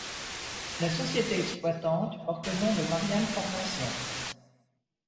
La société exploitante porte le nom de Marianne Formation.